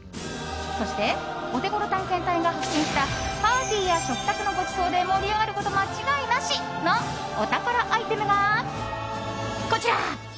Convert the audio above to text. そしてオテゴロ探検隊が発見したパーティーや食卓のごちそうで盛り上がること間違いなしのお宝アイテムがこちら。